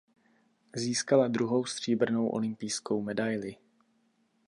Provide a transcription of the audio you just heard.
Získala druhou stříbrnou olympijskou medaili.